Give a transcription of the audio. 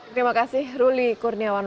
terima kasih ruli kurniawan